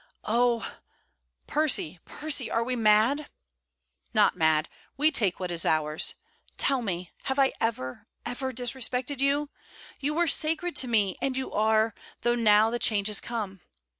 'Oh! Percy, Percy, are we mad?' 'Not mad. We take what is ours. Tell me, have I ever, ever disrespected you? You were sacred to me; and you are, though now the change has come.